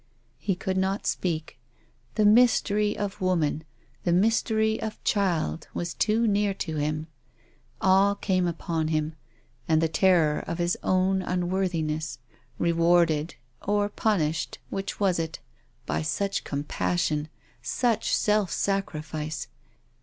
He could not speak. The mystery of woman, the mystery of child was too near to him. Awe came upon him and the terror of his own unworthi ness, rewarded — or punished — which was it? — by such compassion, such self sacrifice.